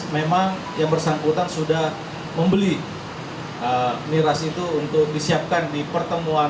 memang yang bersangkutan sudah membeli miras itu untuk disiapkan di pertemuan